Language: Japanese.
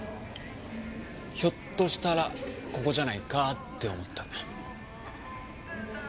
ひょっとしたらここじゃないかって思ったんだ。